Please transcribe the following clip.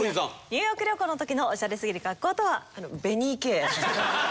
ニューヨーク旅行の時のオシャレすぎる格好とは？